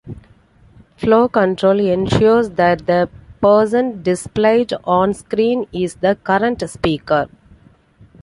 Flow control ensures that the person displayed on screen is the current speaker.